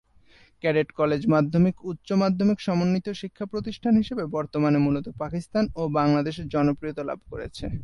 Cadet college মাধ্যমিক-উচ্চ মাধ্যমিক সমন্বিত শিক্ষা প্রতিষ্ঠান হিসেবে বর্তমানে মূলত পাকিস্তান ও বাংলাদেশে জনপ্রিয়তা লাভ করেছে।